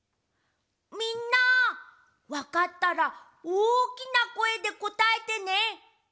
みんなわかったらおおきなこえでこたえてね！